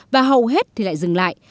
và hầu hết thì lại dừng lại